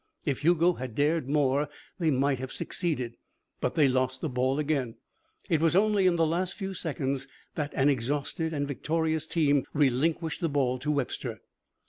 If Hugo had dared more, they might have succeeded. But they lost the ball again. It was only in the last few seconds that an exhausted and victorious team relinquished the ball to Webster.